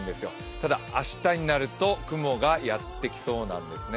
ただ明日になると雲がやってきそうなんですね。